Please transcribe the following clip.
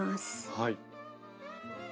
はい。